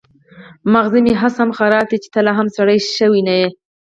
ماغزه مې هسې هم خراب دي چې ته لا هم سړی شوی نه يې.